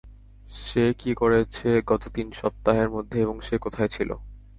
সে কি করেছে গত তিন সপ্তাহের মধ্যে এবং সে কোথায় ছিল?